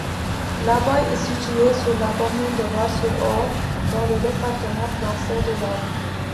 L'abbaye est située sur la commune de Bar-sur-Aube, dans le département français de l'Aube.